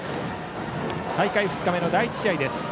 大会２日目の第１試合です。